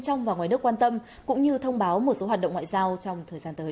trong và ngoài nước quan tâm cũng như thông báo một số hoạt động ngoại giao trong thời gian tới